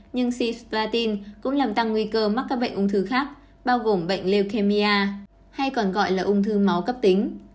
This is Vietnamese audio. nhưng cisplatin cũng làm tăng nguy cơ mắc các bệnh ung thư khác bao gồm bệnh leukemia hay còn gọi là ung thư máu cấp tính